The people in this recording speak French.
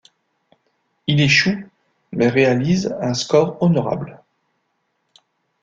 Il échoue, mais réalise un score honorable.